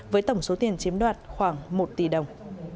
với tổng số tiền chiếm đoạt khoảng một tỷ đồng